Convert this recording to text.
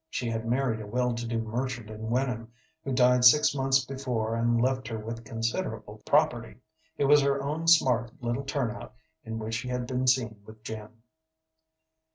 She had married a well to do merchant in Wenham, who died six months before and left her with considerable property. It was her own smart little turn out in which she had been seen with Jim.